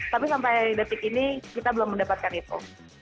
tapi sampai detik ini kita belum mendapatkan itu